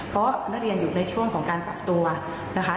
เพราะนักเรียนอยู่ในช่วงของการปรับตัวนะคะ